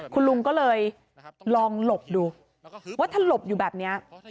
คุณลุงก็เลยลองหลบดูว่าถ้าหลบอยู่แบบนี้